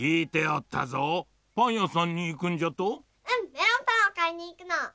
メロンパンをかいにいくの。